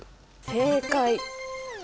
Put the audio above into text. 正解！